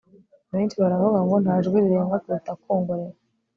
benshi baravuga ngo 'nta jwi rirenga kuruta kwongorera